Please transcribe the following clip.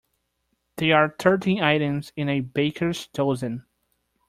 There are thirteen items in a baker’s dozen